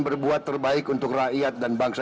berbuat terbaik untuk rakyat dan bangsa